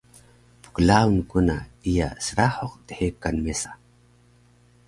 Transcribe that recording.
pklaun ku na iya srahuq dhekan mesa